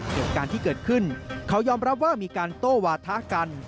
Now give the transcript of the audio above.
เหตุการณ์ที่เกิดขึ้นเขายอมรับว่ามีการโต้วาทะกัน